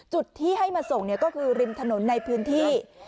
จุดที่ให้มาส่งก็คือริมถนนในพื้นที่